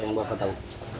yang bapak tahu